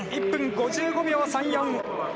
１分５５秒３４。